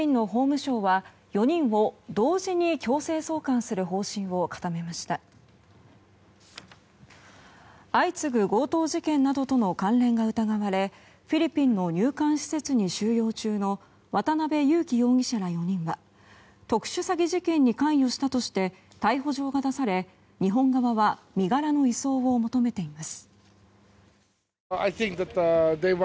相次ぐ強盗事件などとの関連が疑われフィリピンの入管施設に収容中の渡邉優樹容疑者ら４人は特殊詐欺事件に関与したとして逮捕状が出され日本側は身柄の移送を求めています。